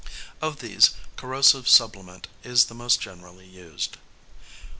Of these, corrosive sublimate is the most generally used.